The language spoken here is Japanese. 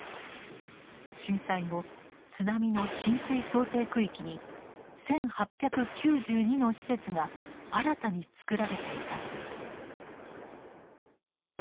震災後津波の浸水想定区域に１，８９２の施設が新たに作られていたのです。